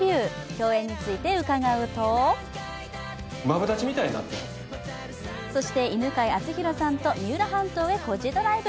共演についてうかがうとそして、犬飼貴丈さんと三浦半島へ「コジドライブ」。